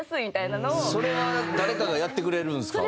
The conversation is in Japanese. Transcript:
それは誰かがやってくれるんですか？